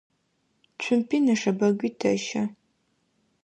Цумпи нэшэбэгуи тэщэ.